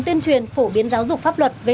tuyên truyền phổ biến giáo dục pháp luật về